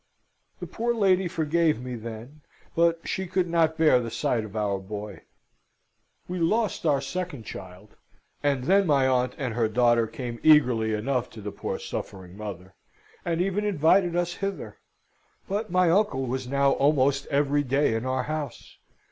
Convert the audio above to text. The poor lady forgave me then, but she could not bear the sight of our boy. We lost our second child, and then my aunt and her daughter came eagerly enough to the poor suffering mother, and even invited us hither. But my uncle was now almost every day in our house.